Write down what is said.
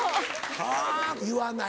はぁ言わない？